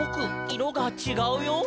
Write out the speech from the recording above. いろがちがうよ」